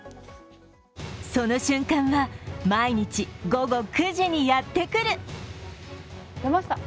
その瞬間は毎日午後９時にやってくる。